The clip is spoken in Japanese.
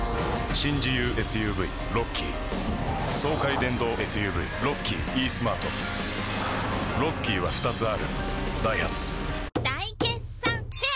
新自由ＳＵＶロッキー爽快電動ＳＵＶロッキーイースマートロッキーは２つあるダイハツ大決算フェア